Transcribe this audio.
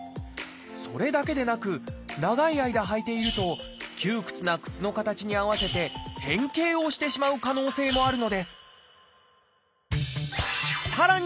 それだけでなく長い間履いていると窮屈な靴の形に合わせて変形をしてしまう可能性もあるのですさらに